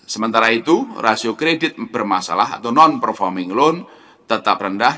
sementara itu rasio kredit bermasalah atau non performing loan tetap rendah